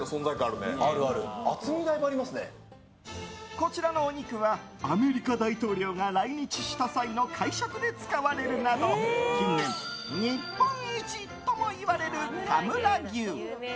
こちらのお肉はアメリカ大統領が来日した際の会食で使われるなど近年、日本一ともいわれる田村牛。